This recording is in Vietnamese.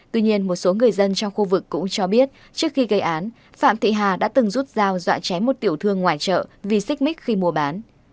tuy nhiên một số người dân trong khu vực cũng cho biết trước khi gây án phạm thị hà đã từng rút dao dọa chém một tiểu thương ngoài chợ vì xích mích khi mua bán